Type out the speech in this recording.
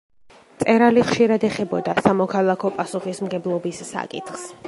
მწერალი ხშირად ეხებოდა სამოქალაქო პასუხისმგებლობის საკითხს.